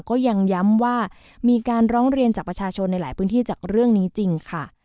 ก็ยังย้ำว่ามีการร้องเรียนจากประชาชนในหลายพื้นที่จากเรื่องนี้จริงค่ะ